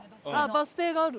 バス停がある。